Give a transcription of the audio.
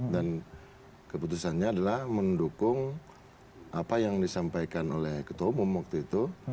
dan keputusannya adalah mendukung apa yang disampaikan oleh ketua umum waktu itu